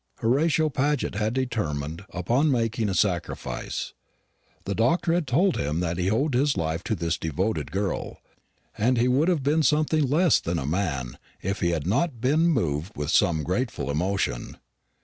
Horatio Paget had determined upon making a sacrifice. The doctor had told him that he owed his life to this devoted girl; and he would have been something less than man if he had not been moved with some grateful emotion.